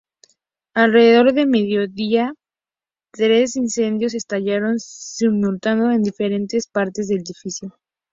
Alrededor del mediodía, tres incendios estallaron simultáneamente en diferentes partes del edificio.